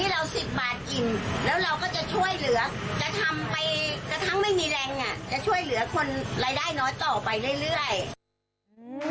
แล้วก็ไม่จิ้มตรงนี้เรา๑๐บาทจิ้ม